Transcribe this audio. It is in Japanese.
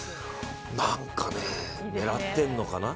なんかね、狙ってんのかな？